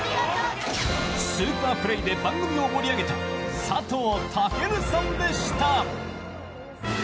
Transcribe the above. スーパープレーで番組を盛り上げた佐藤健さんでした。